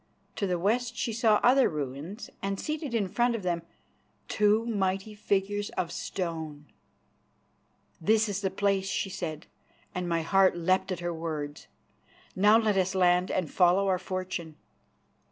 To the west she saw other ruins, and seated in front of them two mighty figures of stone. "This is the place," she said, and my heart leapt at her words. "Now let us land and follow our fortune."